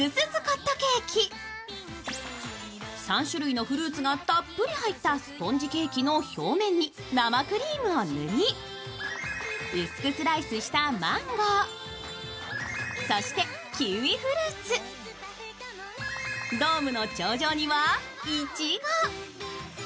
３種類のフルーツがたっぷり入ったスポンジケーキの表面に生クリームを塗り薄くスライスしたマンゴーそしてキウイフルーツ、ドームの頂上には、いちご。